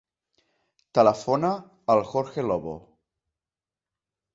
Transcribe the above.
Telefona al Jorge Lobo.